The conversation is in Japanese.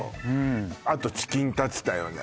あとチキンタツタよね